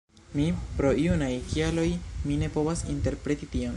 Mi, pro juraj kialoj mi ne povas interpreti tion